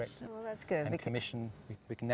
memanfaatkan dan memanfaatkan